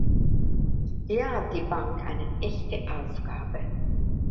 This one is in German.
Hier hat die Bank eine echte Aufgabe.